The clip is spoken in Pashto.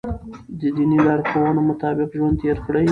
د دیني لارښوونو مطابق ژوند تېر کړئ.